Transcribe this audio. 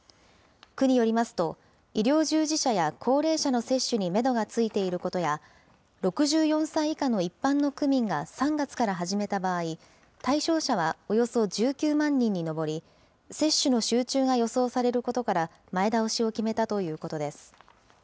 区によりますと、医療従事者や高齢者の接種にメドがついていることや、６４歳以下の一般の区民が３月から始めた場合、対象者はおよそ１９万人に上り、接種の集中が予想されることから、前倒しを決めたということです。